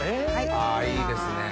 あぁいいですね。